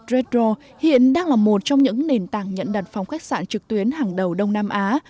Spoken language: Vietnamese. reddor hiện đang là một trong những nền tảng nhận đặt phòng khách sạn trực tuyến hàng đầu đông nam á